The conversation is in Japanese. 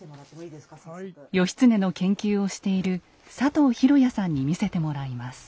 義経の研究をしている佐藤弘弥さんに見せてもらいます。